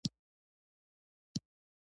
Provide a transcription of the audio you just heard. زیاتره اوسېدونکي یې عربان دي.